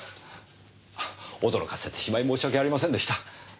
あ驚かせてしまい申し訳ありませんでした。